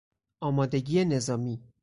آمادگی نظامی